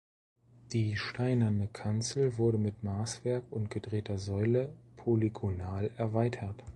Die steinerne Kanzel wurde mit Maßwerk und gedrehter Säule polygonal erweitert.